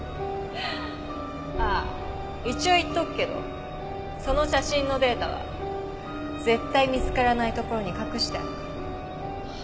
あっ一応言っておくけどその写真のデータは絶対見つからない所に隠してあるから。